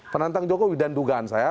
penantang jokowi dan dugaan saya